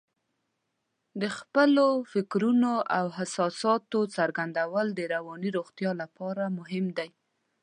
د خپلو فکرونو او احساساتو څرګندول د رواني روغتیا لپاره مهم دي.